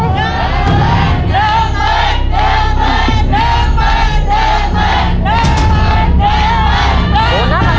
เย้มเลยเย้มเลยเย้มเลยเย้มเลยเย้มเลย